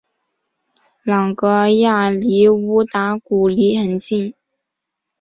朗格亚离乌达古里很近。